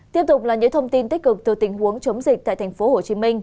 tiếp tục là những thông tin tích cực từ tình huống chống dịch tại tp hcm